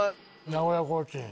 名古屋コーチン。